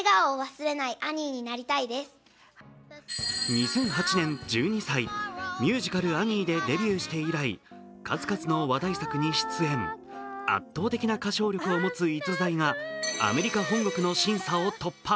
２００８年、１２歳、ミュージカル「アニー」でデビューして以来、数々の話題作に出演圧倒的な歌唱力を持つ逸材がアメリカ本国の審査を突破。